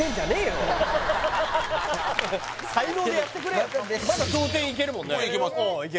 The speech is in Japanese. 才能でやってくれよまだ同点いけるもんねいけます